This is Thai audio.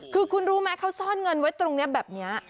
คือคุณรู้ไหมเขาซ่อนเงินไว้ตรงนี้แบบนี้